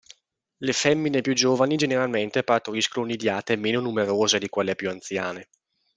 Le femmine più giovani generalmente partoriscono nidiate meno numerose di quelle più anziane.